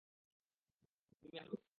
তুমি আসলেই ভদ্রলোক।